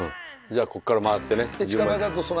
じゃあここから回ってね。